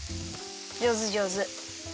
じょうずじょうず。